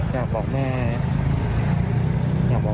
อยากบอกแม่อย่างไหนบ้าง